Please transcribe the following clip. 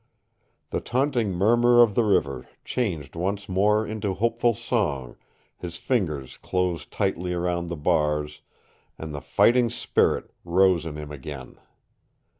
The taunting murmur of the river changed once more into hopeful song, his fingers closed tightly around the bars, and the fighting spirit rose in him again.